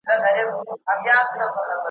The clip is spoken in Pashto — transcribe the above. اوس دوې ښځي راته ناستي